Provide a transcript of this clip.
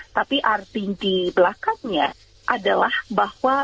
tapi arti di belakangnya adalah bahwa